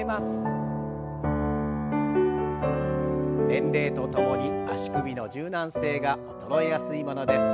年齢とともに足首の柔軟性が衰えやすいものです。